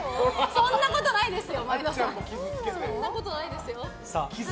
そんなことないですよ！